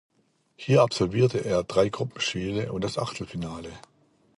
Hier absolvierte er drei Gruppenspiele und das Achtelfinale.